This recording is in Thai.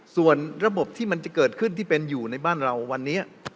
ส่วนระบบที่มันจะเกิดขึ้นที่เป็นอยู่ในบ้านเราวันนี้